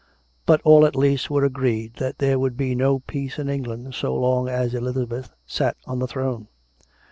But all at least were agreed that there would be no peace in England so long as Elizabeth sat on the throne.